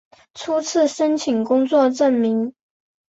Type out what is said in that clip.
初次申请工作证明